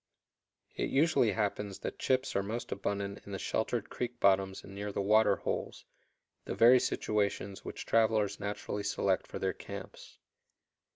It usually happens that chips are most abundant in the sheltered creek bottoms and near the water holes, the very situations which travelers naturally select for their camps.